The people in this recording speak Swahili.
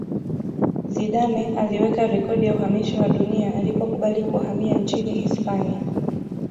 zidane aliweka rekodi ya uhamisho wa dunia alipokubali kuhamia nchini hispania